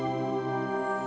nanti kita berdua yuk yuk